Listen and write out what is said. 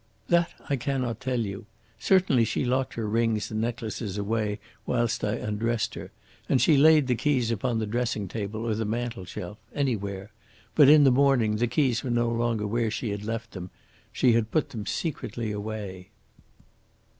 "That I cannot tell you. Certainly she locked her rings and necklaces away whilst I undressed her. And she laid the keys upon the dressing table or the mantel shelf anywhere. But in the morning the keys were no longer where she had left them. She had put them secretly away."